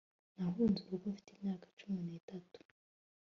Nahunze urugo mfite imyaka cumi nitatu